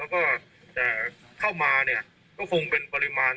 มันต้องให้ทางสตารทูนอเมริกาเป็นคนชี้แจง